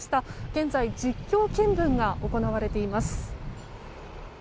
現在、実況見分が行われています。